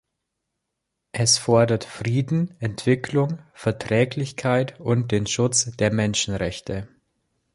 Es fordert Frieden, Entwicklung, Verträglichkeit und den Schutz der Menschenrechte.